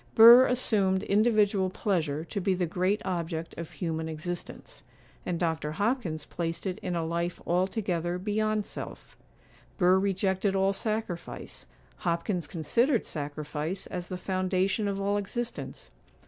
Burr assumed individual pleasure to be the great object of human existence; and Dr. Hopkins placed it in a life altogether beyond self. Burr rejected all sacrifice, Hopkins considered sacrifice as the foundation of all existence.